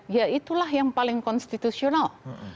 ya itulah yang paling konstitusional